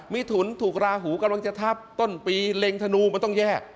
ถุนถูกราหูกำลังจะทับต้นปีเล็งธนูมันต้องแยก